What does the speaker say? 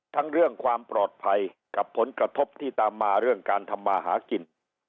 เรื่องความปลอดภัยกับผลกระทบที่ตามมาเรื่องการทำมาหากิน